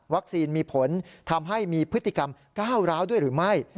มีผลทำให้มีพฤติกรรมก้าวร้าวด้วยหรือไม่